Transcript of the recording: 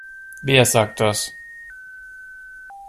Wer sagt das?